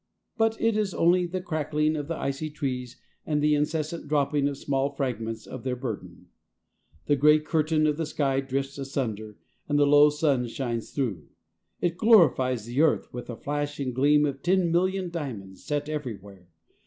But it is only the crackling of the icy trees and the incessant dropping of small fragments of their burden. The gray curtain of the sky drifts asunder, and the low sun shines through. It glorifies the earth with the flash and gleam of ten million diamonds set everywhere.